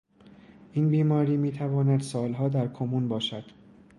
این بیماری میتواند سالها در کمون باشد.